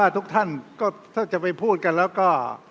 ทุกท่านก็ถ้าจะไปพูดกันแล้วก็